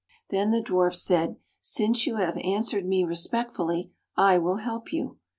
Then the Dwarf said, " Since you have answered me respectfully, I will help you."